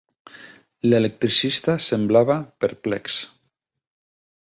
L'electricista semblava perplex.